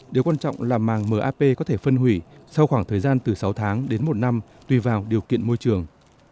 điều quan trọng là màng map có thể phân hủy sau khoảng thời gian từ sáu tháng đến một năm tùy vào điều kiện môi trường